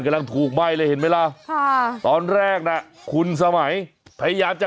กำลังถูกไหม้เลยเห็นไหมล่ะค่ะตอนแรกน่ะคุณสมัยพยายามจะ